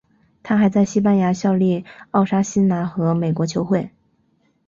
他还在西班牙效力奥沙辛拿和美国球会。